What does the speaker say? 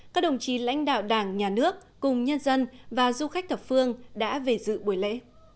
các đồng chí lãnh đạo đảng nhà nước cùng nhân dân và du khách thập phương đã về dự buổi lễ